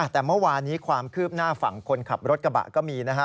แต่เมื่อวานี้ความคืบหน้าฝั่งคนขับรถกระบะก็มีนะฮะ